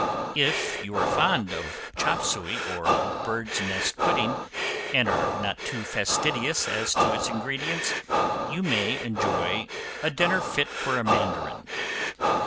If you are fond of chop suey, or bird's nest pudding, and are not too fastidious as to its ingredients, you may enjoy a dinner fit for a mandarin.